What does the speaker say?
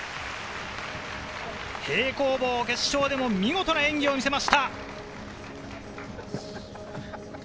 平行棒決勝でも見事な演技を見せました。